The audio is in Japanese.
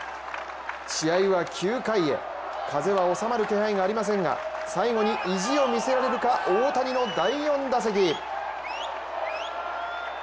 試合は９回へ風は収まる気配はありませんが最後に意地を見せられるか大谷の第４打席。